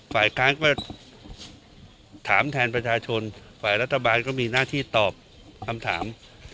ฝ่ายค้านก็ถามแทนประชาชนฝ่ายรัฐบาลก็มีหน้าที่ตอบคำถาม